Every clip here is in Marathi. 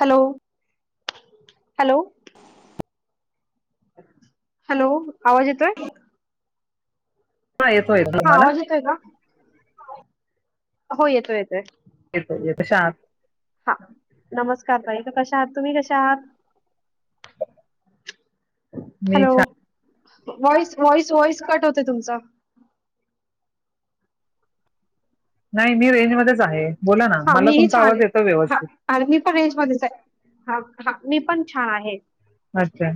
Hello hello. हॅलो आवाज येतोय. येतोय त हा मला. आवाज येतोय का हो येतोय येतो येतो येतोय. शांत हा नमस्कार ताई. कशा आहात तुम्ही कश आहात. मीछान [unintelligible] वॉईस वॉइस वॉइस कट होते तुमचा. नाही मी रेजमध्येध्ये. हा मीही छान आहे हा व्यवस्थित आणि मी पण रेंज मध्येच आहे हा हा मी पण छान आहे अच्छा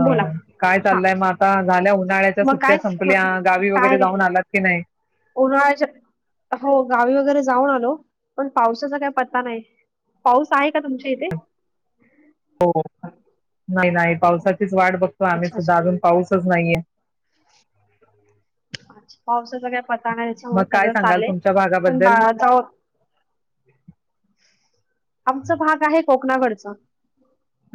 हो बोला काय हा चाललंय मग आता झाल्या उन्हाळ्याच्या मग सुट्ट्या काय संपल्या गावी काय वगैरे नाही जाऊन आलात की नाही उन्हाळ्याच्या हो गावी वगैरे जाऊन आलो पण पावसाचा काही पत्ता नाही पाऊस आहे का तुमच्या इथे हो नाही नाही पावसाचीच वाट बघतोय आम्ही अच्छा सुद्धा अच्छा अजून पाऊसच नाहीये अच्छा पावस वगैरे पताना त्याच्यामुळे मग काय सगळं सांगाल चाललय तुमच्या पण भागाबद्दल बाळाजवळ कोकणाकडचं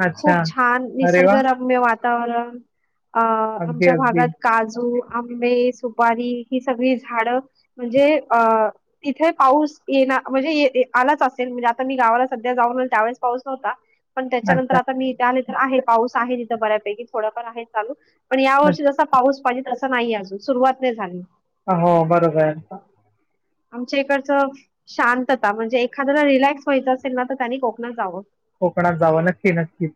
अच्छा खूप छान अरे वा निसर्गरम्य वातावरण त्याला अ अगदी आमच्या अगदी भागात काजू आंबे सुद... तरी ही सगळी झाड म्हणजे अ.. तिथे पाऊस येणा.. म्हणजे ये.. ये.. आलाच असेल म्हणजे मी गावाला सध्या जाऊन आले त्यावेळेस पाऊस नव्हता पण त्याच्यानंतर अच्छा आता मी इथे आले आहे पाऊस आहे तिथं बऱ्यापैकी थोडाफार आहे चालच पण या अच्छा. वर्षी जसा पाऊस पाडत तसा नाही अजून सुरुवात नाही झाली. हो बरोबर आहे. आमच्या इकडच शांतता म्हणजे एखाद्याला रिलॅक्स. सोईच असेल ना तर त्यांनी कोकणात जावं. कोकणात जावं नक्की नक्कीच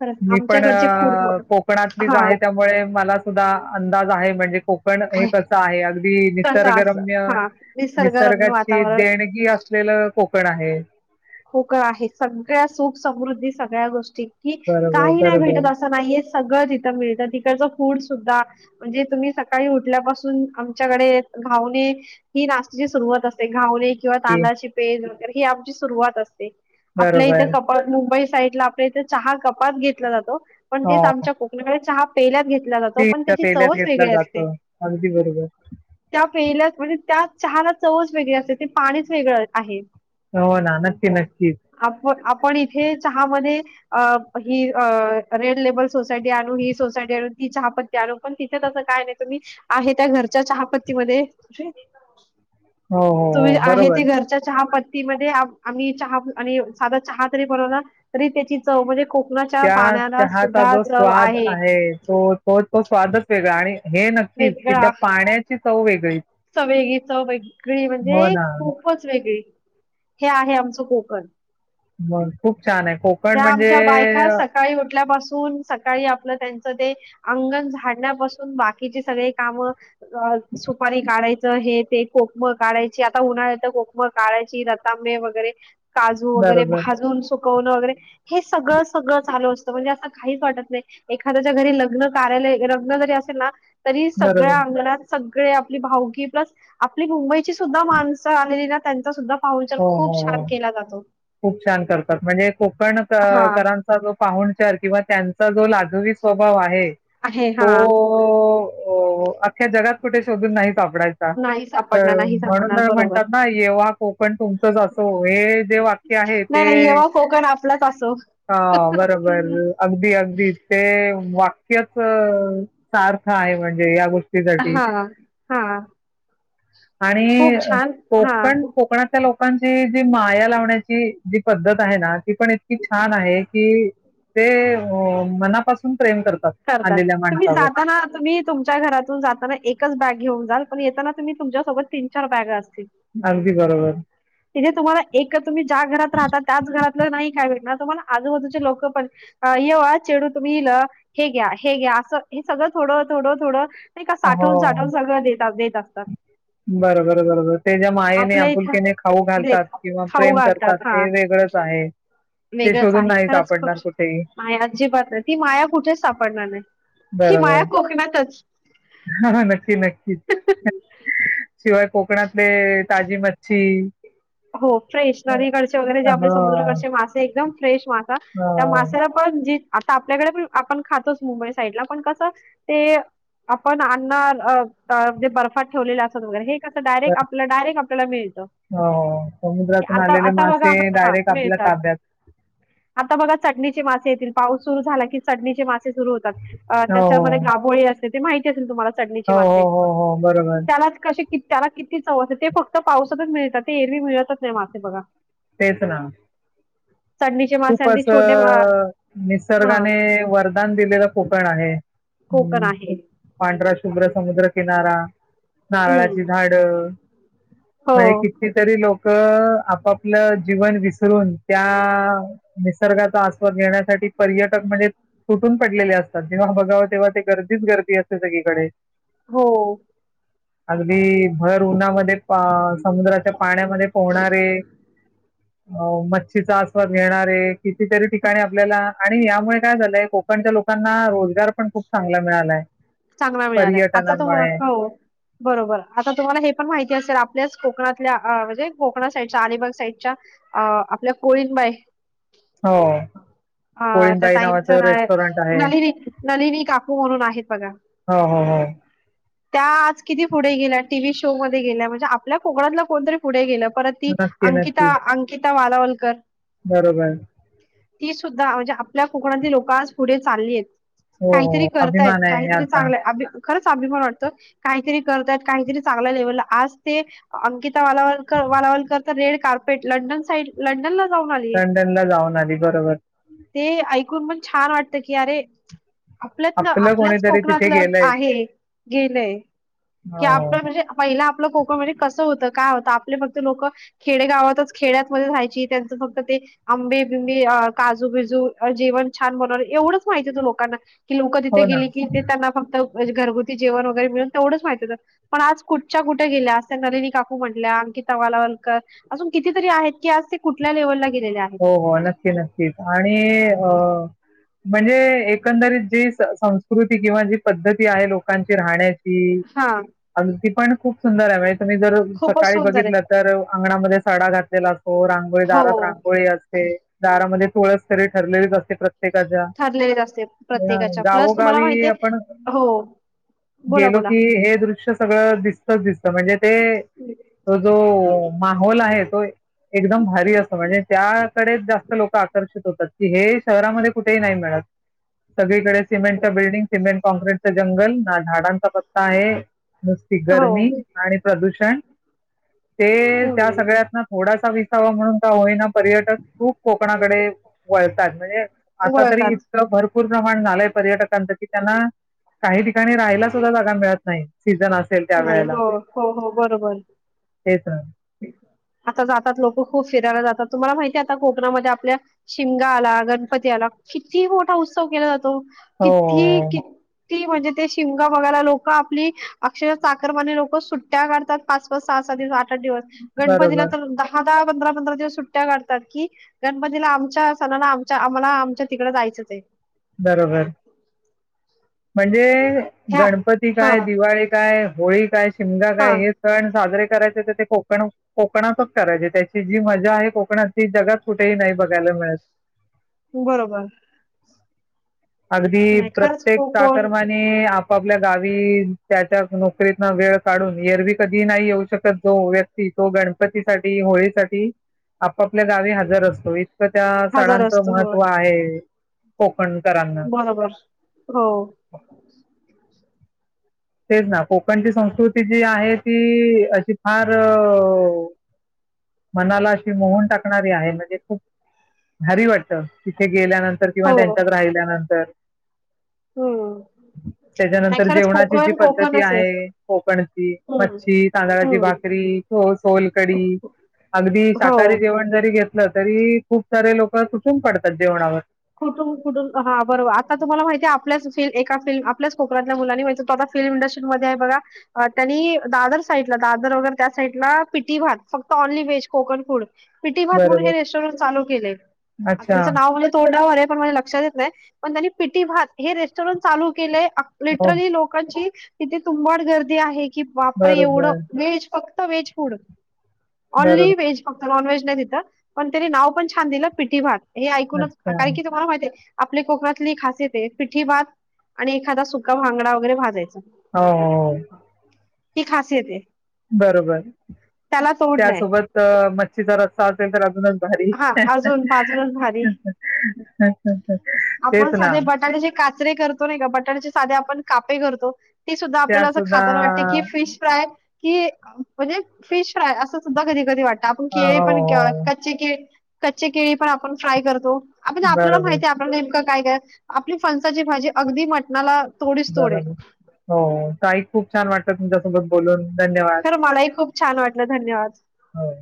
खरंच मी पण आमच्याकडचे फूड अ... कोकणातलीच हा आहे त्यामुळे मला सुद्धा अंदाज आहे म्हणजे कोकण हे कसं आहे अगदी कसं असं निसर्गरम्य हा निसर्गरम्य निसर्गाची वातावरण देणगी असलेलं कोकण पण आहे. खूप काही आहे सगळ्या सुख समृद्धी सगळ्या गोष्टी कि बरोबर, काही नाही भेटत बरोबर. असं नाहीये सगळं तिथं मिळतं तिकडचं फ्रूट सुद्धा म्हणजे तुम्ही सकाळी उठल्यापासून आमच्याकडे घावणे ही नाश्त्याची सुरुवात असते घावणे. किंवा ती तांदळाची पेल हि आमची. सुरुवात असते. आपल्या इथे बरोबर. का परत मुंबई. साईड ला आपल्या इथे चहा कपात घेतला जातो. पण तेच हो. आमच्या कोकणाकडे चहा. पहिलाच घेत. ला जातो पण स्टीलच्या त्याची पेल्यात चवच घेतला वेगळी असते जातो. अगदी बरोबर. त्या पेल्यात म्हणजे त्या चहाला चवच वेगळी असते ते पाणीच वेगळं आहे. हो ना नक्की नक्कीच आप आपण इथे चहा मध्ये अ ही अ रेड लेबल, सोसायटी आणू ही सोसायटी आणू ती चहापत्ती आणू पण तिथे त काय नाही तुम्ही आहे त्या घरच्या चहापत्ती मध्ये हो, हो, तुम्ही हो. आहे बरोबर. ते घरच्या चहा पत् ती मदे आ आम्ही चहा आणि साधा चहा तरी बनवला तरी त्याची चव म्हणजे कोकणाच्या त्या पाण्याला चहाचा सुद्धा जो चव स्वाद आहे तो तो तो स्वादच वेगळा आहे. हे नक्कीच की त्या पाण्याची चव वेगळीच च चव वेगळीच वेगळी म्हणजे ना. खूपच वेगळी हे आहे आमचं कोकण मग खूप छान आहे कोकण त्या म्हणजे आमच्या बायका अ, सकाळी उठल्या पासून सकाळी आपलं त्यां ते अंगण झाडण्यापासून बाकीची सगळे काम [unintelligible] काढायचं हे ते कोकम काढायची आता उन्हाळ्यात तर कोकम काढायची रतांबे वगैरे काजू वगैरे बरोबर भाजून सो कोन वगैरे हे सगळं- सगळं चालू अस म्हणजे असं काहीच वाटत नाही. एखाद्याच्या घरी लग्न कार्यालय, लग्न जरी असेल ना तरी सगळ्या बरोबर अंगणात स गळ्या आपली भाऊकी प्लस आपली मुंबई ची सुद्धा माणसं आलेली ना त्यांचा सुद्धा पाहुणचार, हो हो खूप छान हो केला जातो. खूप छान करतात, म्हणजे कोकण क हा करांचा जो पाहूनचार किंवा त्यांचा जो लाजवी स्वभाव आहे आहे तो हा अख्ख्या जगात कुठे शोधून नाही सापडायचा. नाही तर सापडणार, नाही म्हणून सापडणार बरोबर. म्हणतात ना, येव्हा कोकण तुमचच असो हे जे वा ते आहे ते नाही, नाही येव्हा कोकण आपलाच असो. ह बरोबर अगदी- अगदी ते वाक्य ह सार्थ आहे म्हणजे या गो हा हा आणि हां, कोकण, कोकणातल्या लोक कोकणची, जी माया लावण्याची जी पद्धत आहे ना ती पण इतकी छान आहे, कि, ते मनापासून प्रेम करतात. आलेल्या तुम्ही माणसावर. जाताना तुम्ही तुमच्या घरातून जाताना एकच बॅग घेऊन जाल, पण येताना तुम्ही तुमच्यासोबत तीन- चार बॅग अस ल. अगदी बरोबर. तिथे तुम्हाला एक तुम्ही ज्या घरात राहता त्याच घरातलं नाही काय भेटणार? तुम्हाला आजूबाजूचे लोक पण एक येव चेडू तुम्ही इल हे घ्या, हे घ्या असं हे सगळं थोडं, थोड, थोडं ते का हो. साठवून- साठवून सगळं देतात [unintelligible] बरोबर, बरोबर ते ज्या मायेने आपल्या इथं आपुलकेने खाऊ देत घालतात, किंवा खाऊ प्रेम करतात घालतात. हां. ते वेगळंच आहे, ते वेगळंच शोधून आहे नाही खरंच खूप सापडणार कुठेही. माया अजिबात नाही ती माया कुठेच सापडणार नाही ही माया बरोबर, कोकणातच हा नक्की- नक्कीच. [unintelligible] शिवाय कोकणातले, ताजी म ची हो फ्रेशनरीकडचे वगैरे जे आपले हो, समुद्राकडचे मासे एकदम फ्रेश मासा त्या हो. मासेला पण जी आता आपल्याकडे पण आपण खातोच मुंबई साईडला पण कसं ते आपण अण्णा जे बर्फात ठेवलेले असत वगैरे हे कसं डायरेक्ट आपला डायरेक्ट आपल्याला मिळतं हो हो. समुद्रातून आता आलेले आता बघा मासे हा डायरेक्ट आपल्या मिळतात ताब्यात आता बघा चटणीची मासे पाऊस सुरू झाला की चडणीचे मा र होतात हो त्याच्यामध्ये घाभोळी अस ते माहिती असेल तुम्हाला चढणीचे हो हो मासे हो हो हो. बरोबर त्याला कसे क त्याला किती चवथ आहे ते फक्त पावसातच मिळतात ते एरवी मिळतच नाही मासेे बघा तेचणा चडणीचे मासे खूप आणि ते अस छोटे मा हा निसर्गाने वरदान दिलेलं कोकण आहे कोकण आहे. हम्म पांढरा शुभ्र समुद्र किनारा हम्म नारळाची झाडं हो म्हणे किती तरी लोक आपापलं जीवन विसरून त्या निसर्गाचा आस्वाद घेण्यासाठी पर्यटक म्हणजे तुटून पडलेले असतात. तेेव्हा बघाव तेव्हा ते गर्दीच गर्दी असते सगळीकडे हो आगदी भर ऊन्हामध्ये समुद्राच्या पाण्यामध्ये पोहणारे अ मच्छीचा आस्वाद घेणारे कितीतरी ठिकाणी आपल्याला आणि यामुळे काय झालंय कोक पण त्या लोकांना रोजगार पण खूप चांगला मिळालाय. चांगला मिळालाय. आता तुम्हा पर्यटनामुळे हो बरोबर आता तुम्हाला हे पण माहिती असेल आपल्याच कोकणातल्या अ म्हणजे कोकणा साईडच्या अलिबाग साईडच्या अ आपल्या कोळींनबाई हो ह त्या कोळींबाई ताईच नावाचं रेस्टॉरंट आहे नलिनी नलिनी काकू म्हणून आहेत बघा हो हो हो त्या आज किती पुढे गेल्या. टीव्ही शो मध्ये गेल्या म्हणजे आपल्या कोकणातला कोणतरी पुढे गेलं. परत ती नक्की नक्की अंकिता अंकि वालावलकर, बरोबर ती सुद्धा म्हणजे आपल्या कोकणातली लोकं आज पुढे चालली आहेत. हो हो अभिमान आहे. या चागंल हाय अभि खरंच अभिमान वाटतो. काहीतरी करतात काहीतरी चांगला लेवल आज ते अंकिता वालाव वालावलकर तर रेड कार्पेट लंडन साईड लंडनला जाऊन आलीय लंडनला जाऊन आली. बरोबर ते ऐकून पण छान वाटत की अरे, आपलं कोणीतरी, तिथं आपलं आहे. गेलय की हो आपल म्हणजे पहिला आपलं कोकण म्हणजे कसं होत काय होत आपले फक्त लोक खेडेगावातच खेड्यातमध्ये राहायची. त्यांचं फक्त ते आंबे बिंबी काजू बिजू जेवण छान बनवणार एवढंच माहिती होतं लोकांना ती लोक तिथे हो ना गेली की, फक्त घरगुती जेवण वगैरे मिळत. तेवढच माहिती होत पण आज कुठच्या कुठ गेल्या, त्या नलनी काकू म्हटल्या अंकिता वालावलकर अजून कितीतरी आहेत की आज कुठल्या लेवलला हो हो नक्की नक्कीच आणि अ म्हणजे एकंदरीत जी संस्कृती किंवा जी पद्धती आहे लोकांची राहण्याची त हा आणि ती पण [unintelligible] खूप सुंदर आहे ् जर खूपच सकाळी सुंदर बघितलं आहे तर अंगणामध्ये साडा घातलेला असो हो रांगोळी हो दारात रांग दारामध्ये तुळस ठरलेलेच असते प्रत्ये एखाद्या ठरलेलेच असते प्रत्येकाच्या प्लस तुम्हाला गावोगावी माहितीये आपण हो बोला गेलो बोला की हे दृश्य सगळं दिस दिसत म्हणजे ते जो माहोल आहे तो एकदम भारी असं म्हणजे जास्त लोक आकर्षित होतात की हे शहरामध्ये कुठेही नाही मिळत सगळीकडे सिमंट बिल्डिंग सिमेंट कॉँक्रीटच जंगल ना झाडांचा पत्ता आहे नुसती हो गरमी आणि प्रदूषण काय ते त्या हम्म सगळ्यात ना थोडासा. विसावा म्हणून का होयना पर्यटक खूप कोकणाकडे वळतात म्हणजे आता तरी वळतात इतक भर भरपूर प्रमाण झालंय पर्यटकांचं कि त्यांना काही ठिकाणी राहायला सुद्धा जागा मिळत नाही. सीझन असेल त्या नाही वेळेला हो हो हो बरोबर. तेच ना आता जातात लोकं खूप फिरायला जातात तुम्हाला माहितीय आता कोकणामध्ये आपल्या शिमगा आला गणपती आला किती मोठा उत्सव केला जातो किती हो की ती म्हणजे ते शिमगा बघायला लोक आपली अक्षर चाकरमाणे लोक सुट्ट्या काढतात पाच पाच सहा सहा दिवस गणपतीला बरोबर तर दहा पंधरा पंधरा दिवस सुट्ट्या काढतात की गणपतीला आमच्या सणाना आमच्या आम्हाला आमच्या तिकडे जायचंच आहे बरोबर. म्हणजे. ह्या गणपती हा काय, दिवाळी काय, होळी काय, शिमगा हा काय हे सण साजरे. करायचे तर ते कोकण कोकणातच करायचे त्याची जी मजा आहे कोकणात ती जगात कुठेही नाही बघायला मिळत. बरोबर अगदी नाही खरंच प्रत्येक. को का कोण कर्माने आपापल्या गावी, त्याच्या नोकरीतन वेळ काढून एरवी कधी नाही येऊ शकत जो व्यक्ती, तो गणपती साठी होळीसाठी आपापल्या गावी हजर असतो. तर त्या हजार सणांचं असतो होय महत्व आहे. हो. बरोबर, हो. [inaudible] तेच ना. कोकणची संस्कृती जी आहे ती अशी फार मनाला ती मोहून टाकणारी आहे. देखो. भारी वाटतं तिथे गेल्यानंतर, किंवा हो त्यांच्यात राहिल्यानंतर. हम्म नाही खरंच कोकण, कोक तर ती आहे कोकणची मच्छी, तांदळाची हम्म भाकरी, को सोलकडी अगदी हो. शाकाहारी जेवण जरी घेत तरी खूप सारे लोकं तुटून पडतात जेवणावर. कुठून कुठून, हा बरोबर आता तुम्हाला माहिती आहे, आपल्याच एका फिल्म आपल्याच कोकणातल्या मुलांनी माहितेय तो आता फिल्म इंडस्ट्रीमध्येध्ये आहे बघा, त्यांनी दादर साईडला दादर वगैरे त्या साइडला पिटी भात फक्त ऑनली व्हेज कोकण फूड पिटी भात म्हणून हे बरोबर रेस्टॉरंट चालू केलंय. आता अच्छा त्याचं नाव म तोंडावर आहे पणं माझ्या लक्षात येत नाही पण त्यांने पीटी भात हे रेस्टॉरंट चालू केलंय आ हो लिटरली लोकांची तिथे तुंबाड गर्दी आहे. की बापरे एवढं बरोबर व्हेज फक्त तं वेगळा फूड ऑनली बरोबर वेज नॉनव्हेज नाही तिथं, पण त्यानी नाव पण छान दिलं, 'पिटी भात'. हे ऐकूनच अच्छा कारण की, तु्हाला माहितीय, आपली कोकणातली खासियत हाये, पिठी भात आणि एखादा सुका भांगडा वगैरे भाजायचा. हो हो हो. ही खासियत आहे. बरोबर, त्याला तोड नाही त्यासोबत मच्छीचा रस सा असेल तर अजूनच भारी. हा अजून बाजरच भारी, आपण तेच ना साधे बटाट्याचे काचरे करतो नाही का, बटाट्याचे साधे आपण कापे करतो. ती सुद्धा त्या आपल्याला असं सुद्धा खाताना वाटतयं की, फिश फ्राय कि म्हंजे फिश फ्राय असं सुद्धा कधी कधी वाटत अ, [unintelligible] पण [unintelligible] हो, कच्चे केळी पण आपण फ्राय करतो. आपण आपल्याला बरोबर, माहिती आहे आपल्याला नेमकं काय [unintelligible] आपली फणसाची भाजी अगदी मटणाला तोडीस तोड आहे बरोबर हो तई खूप छान वाट तुमच्यासोबत बोलून. धन्यवाद. खरं मलाही खूप छान वाटलं धन्यवाद. हो.